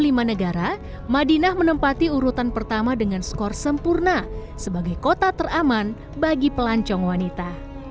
di lima negara madinah menempati urutan pertama dengan skor sempurna sebagai kota teraman bagi pelancong wanita